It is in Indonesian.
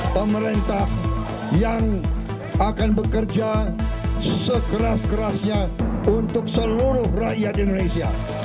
pemerintah yang akan bekerja sekeras kerasnya untuk seluruh rakyat indonesia